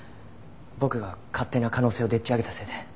僕が勝手な可能性をでっち上げたせいで。